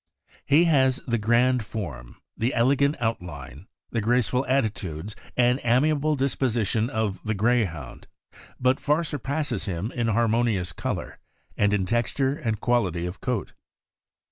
He has the grand form, the elegant outline, the graceful attitudes and amiable disposition of the Greyhound, but far surpasses him in harmonious color and in texture and quality of coat.